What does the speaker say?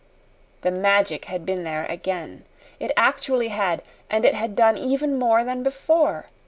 The Magic had been there again. It actually had, and it had done even more than before.